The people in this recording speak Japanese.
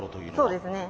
そうですね。